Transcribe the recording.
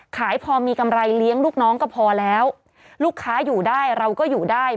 ขายพอมีกำไรเลี้ยงลูกน้องก็พอแล้วลูกค้าอยู่ได้เราก็อยู่ได้